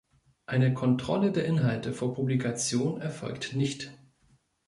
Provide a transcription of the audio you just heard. Eine Kontrolle der Inhalte vor Publikation erfolgt nicht.